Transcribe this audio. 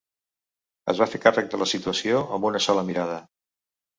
Es va fer càrrec de la situació amb una sola mirada